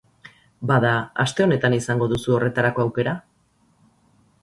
Bada, aste honetan izango duzu horretarako aukera.